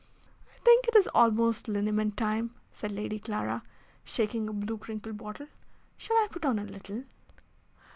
"I think it is almost liniment time," said Lady Clara, shaking a blue crinkled bottle. "Shall I put on a little?"